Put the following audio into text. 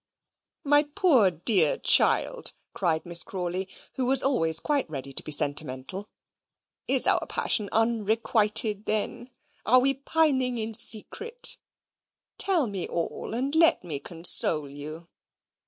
"My poor dear child," cried Miss Crawley, who was always quite ready to be sentimental, "is our passion unrequited, then? Are we pining in secret? Tell me all, and let me console you."